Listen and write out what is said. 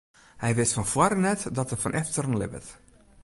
Hy wit fan foaren net dat er fan efteren libbet.